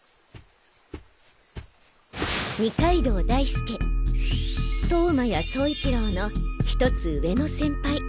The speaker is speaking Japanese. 二階堂大輔投馬や走一郎のひとつ上の先輩。